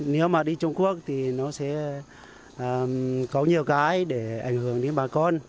nếu mà đi trung quốc thì nó sẽ có nhiều cái để ảnh hưởng đến bà con